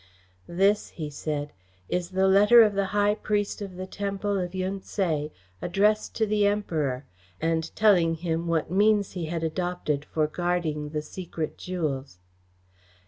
"This," he said, "is the letter of the High Priest of the Temple of Yun Tse, addressed to the Emperor, and telling him what means he had adopted for guarding the secret jewels."